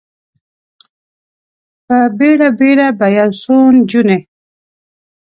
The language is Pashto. په بیړه، بیړه به یو څو نجونې،